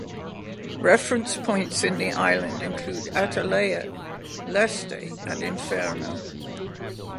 Reference points in the island include Atalaia, Leste and Inferno.